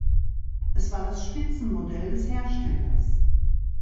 Es war das Spitzenmodell des Herstellers.